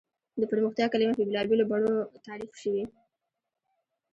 د پرمختیا کلیمه په بېلابېلو بڼو تعریف شوې.